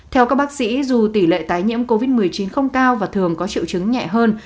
theo các bác sĩ dù tỷ lệ tái nhiễm covid một mươi chín không cao và thường có triệu chứng nhẹ hơn